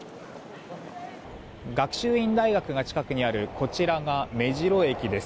学習院大学が近くにあるこちらが目白駅です。